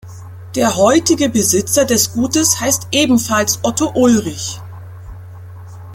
Der heutige Besitzer des Gutes heißt ebenfalls Otto Ulrich.